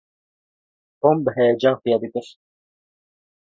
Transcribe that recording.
Tom bi heyecan xuya dikir.